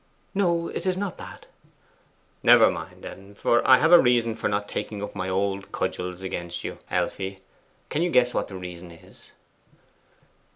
'No, it is not that.' 'Never mind, then; for I have a reason for not taking up my old cudgels against you, Elfie. Can you guess what the reason is?